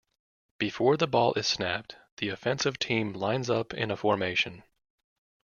Before the ball is snapped the offensive team lines up in a formation.